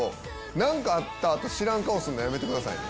何かあった後知らん顔するのやめてくださいね。